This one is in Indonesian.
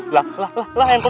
lah lah lah